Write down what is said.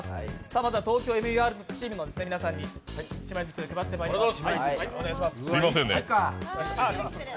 まずは「ＴＯＫＹＯＭＥＲ」チームの皆さんに１枚ずつ配ってまいります。